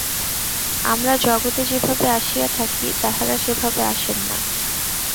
আমরা জগতে যেভাবে আসিয়া থাকি, তাঁহারা সেভাবে আসেন না।